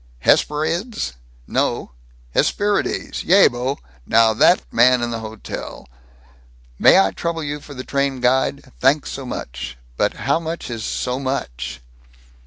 Hesperyds? No! Hesperides! Yea, bo'! Now that man in the hotel: 'May I trouble you for the train guide? Thanks so much!' But how much is so much?"